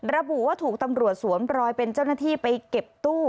ระบุว่าถูกตำรวจสวมรอยเป็นเจ้าหน้าที่ไปเก็บตู้